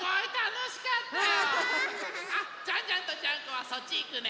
あジャンジャンとジャンコはそっちいくね！